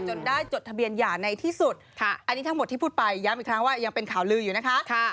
ได้จดทะเบียนหย่าในที่สุดอันนี้ทั้งหมดที่พูดไปย้ำอีกครั้งว่ายังเป็นข่าวลืออยู่นะคะ